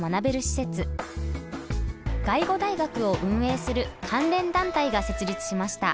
外語大学を運営する関連団体が設立しました。